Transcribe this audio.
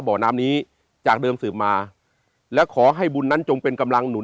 บ่อน้ำนี้จากเดิมสืบมาและขอให้บุญนั้นจงเป็นกำลังหนุน